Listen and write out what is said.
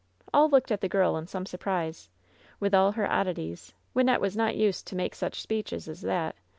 All looked at the girl in some surprise. With all her oddities, Wynnette was not used to make such speeches as that.